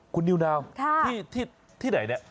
คุณนิ้วนาวที่นะ